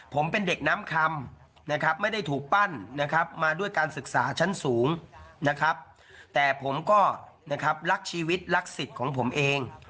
ผมเป็นเด็กน้ำคำนะครับไม่ได้ถูกปั้นนะครับมาด้วยการศึกษาชั้นสูงนะครับแต่ผมก็นะครับรักชีวิตรักสิทธิ์ของผมเอง